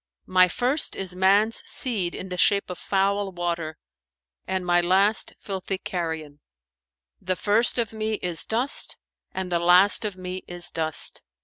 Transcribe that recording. "My first is man's seed in the shape of foul water and my last filthy carrion: the first of me is dust and the last of me is dust.